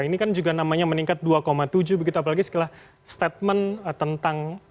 ini kan juga namanya meningkat dua tujuh begitu apalagi setelah statement tentang